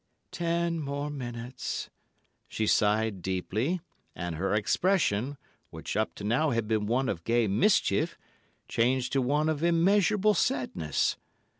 "Ten more minutes!" She sighed deeply, and her expression, which up to now had been one of gay mischief, changed to one of immeasurable sadness.